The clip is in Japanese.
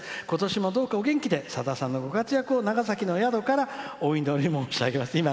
ことしも、どうかお元気で、さださんのご活躍を長崎の宿からお祈り申し上げます。